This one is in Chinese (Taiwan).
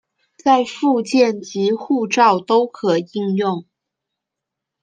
在復健及照護都可應用